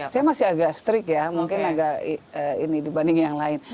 saya masih agak strict ya mungkin agak ini dibanding yang lain